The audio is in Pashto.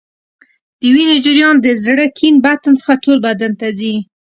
د وینې جریان د زړه کیڼ بطن څخه ټول بدن ته ځي.